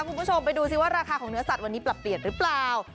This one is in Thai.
คุณผู้ชมไปดูสิว่าราคาของเนื้อสัตว์วันนี้ปรับเปลี่ยนหรือเปล่า